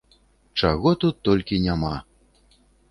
Чаго тут толькі няма!